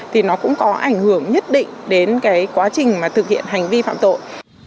thì nó cũng có ảnh hưởng nhất định đến quá trình thực hiện hành vi phạm tội